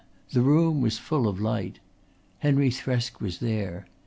The room was full of light. Henry Thresk was there.